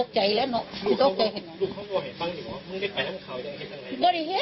แล้วที่หรือว่ามันไม่รู้สึกกับตางและมันคงไม่รู้สึกกับแก